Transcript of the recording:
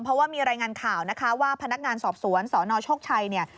เพราะว่ามีรายงานข่าวว่าพนักงานสอบสวนสอนอชกชัย